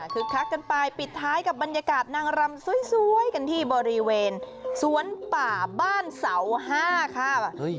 คักกันไปปิดท้ายกับบรรยากาศนางรำสวยกันที่บริเวณสวนป่าบ้านเสา๕ค่ะ